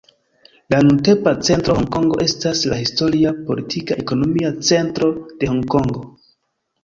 La nuntempa centra Honkongo estas la historia, politika, ekonomia centro de Honkongo.